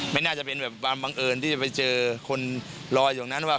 ไม่น่าจะเป็นแบบความบังเอิญที่จะไปเจอคนรออยู่นั้นว่า